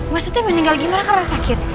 maksudnya meninggal gimana karena sakit